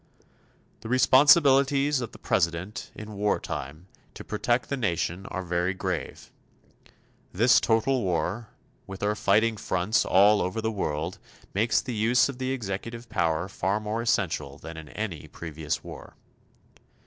The responsibilities of the President in wartime to protect the nation are very grave. This total war, with our fighting fronts all over the world, makes the use of the executive power far more essential than in any previous war.